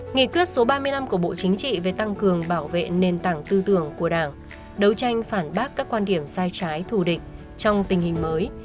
nghị quyết số ba mươi năm của bộ chính trị về tăng cường bảo vệ nền tảng tư tưởng của đảng đấu tranh phản bác các quan điểm sai trái thù địch trong tình hình mới